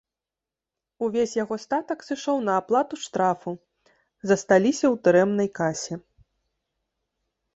Увесь яго статак сышоў на аплату штрафу, засталіся у турэмнай касе.